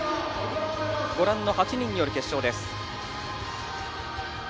ご覧の８人による決勝です。